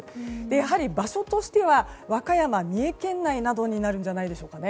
やはり場所としては和歌山、三重県内になるんじゃないんでしょうか。